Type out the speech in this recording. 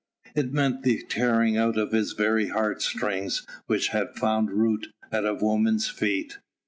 It meant the tearing out of his very heartstrings which had found root at a woman's feet.